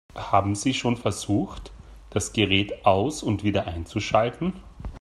Haben Sie schon versucht, das Gerät aus- und wieder einzuschalten?